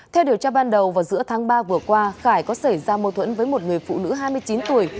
theo điều tra ban đầu vào giữa tháng ba vừa qua khải có xảy ra mâu thuẫn với một người phụ nữ hai mươi chín tuổi